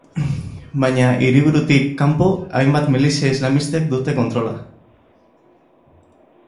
Baina hiriburutik kanpo, hainbat milizia islamistek dute kontrola.